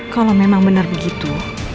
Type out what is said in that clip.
kalau memang benar begitu